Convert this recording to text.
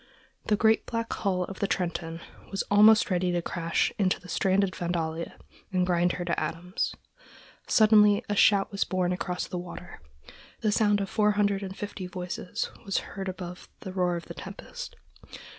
The great, black hull of the Trenton was almost ready to crash into the stranded Vandalia and grind her to atoms. Suddenly a shout was borne across the waters. The sound of four hundred and fifty voices was heard above the roar of the tempest.